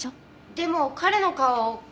でも彼の顔